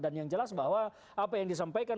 dan yang jelas bahwa apa yang disampaikan